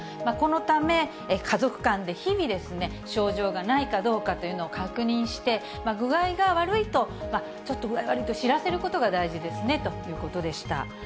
このため、家族間で日々、症状がないかどうかというのを確認して、具合が悪いと、ちょっと具合悪いと知らせることが大事ですねということでした。